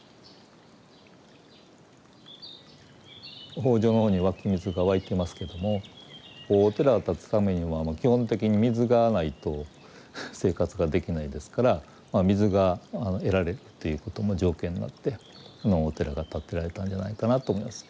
方丈のほうに湧き水が湧いてますけどもお寺が建つためには基本的に水がないと生活ができないですから水が得られるということも条件になってこのお寺が建てられたんじゃないかなと思います。